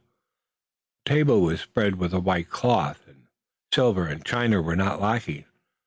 The table was spread with a white cloth, and silver and china were not lacking.